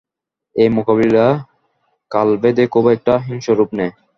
এই মুকাবিলা কালেভদ্রেই খুব একটা হিংস্র রূপ নেয়।